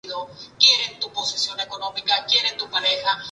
La deidad local era conocida como "la Señora de Taif".